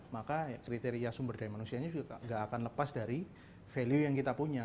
maka kriteria sumber daya manusianya juga gak akan lepas dari value yang kita punya